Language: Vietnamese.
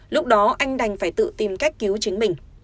lúc đó anh đành phải tự tìm cách cứu chính mình